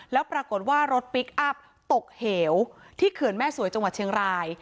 แล้วปรากฏว่ารถพลิกอัพตกเหวที่เขื่อนแม่สวยจังหวัดเชียงราย